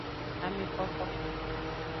Amexoxo.